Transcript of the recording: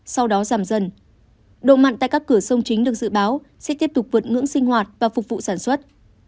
sau đó giảm dần độ mặn tại các cửa sông chính được dự báo sẽ tiếp tục vượt ngưỡng sinh hoạt và phục vụ sản xuất